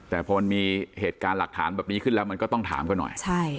แต่พอมันมีเหตุการณ์หลักฐานแบบนี้ขึ้นแล้วมันก็ต้องถามกันหน่อย